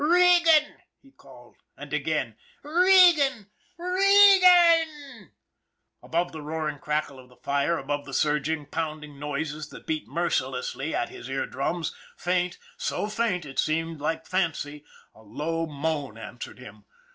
" Regan !" he called ; and again :" Regan ! Regan!" Above the roaring crackle of the fire, above the surg ing, pounding noises that beat mercilessly at his ear drums, faint, so faint it seemed like fancy, a low moan answered him.